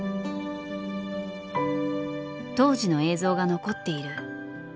当時の映像が残っている。